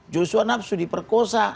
joshua nafsu diperkosa